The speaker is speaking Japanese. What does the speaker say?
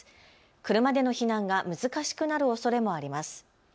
車での避難が難しくなるおそれもあります。